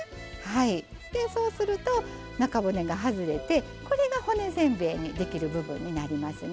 でそうすると中骨が外れてこれが骨せんべいにできる部分になりますね。